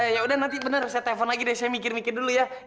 yaudah nanti bener saya telfon lagi deh saya mikir mikir dulu ya